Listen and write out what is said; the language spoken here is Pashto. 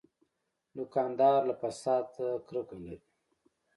دوکاندار له فساد نه کرکه لري.